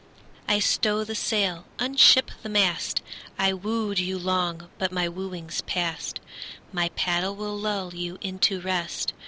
I stow the sail, unship the mast: I wooed you long but my wooing's past; My paddle will lull you into rest.